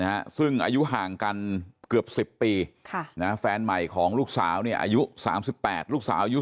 แล้วก็ยัดลงถังสีฟ้าขนาด๒๐๐ลิตร